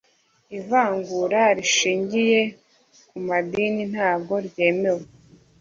ivangura rishingiye ku madini ntago ryemewe